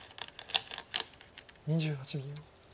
２８秒。